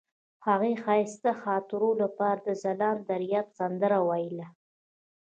هغې د ښایسته خاطرو لپاره د ځلانده دریاب سندره ویله.